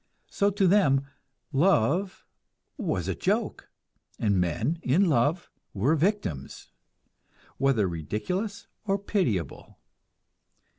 So to them "love" was a joke, and men "in love" were victims, whether ridiculous or pitiable.